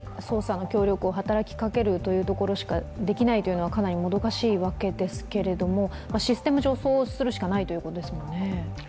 とにかくブラジルに捜査の協力を働きかけるということしかできないというのはかなりもどかしいわけですけれども、システム上、そうするしかないということですもんね。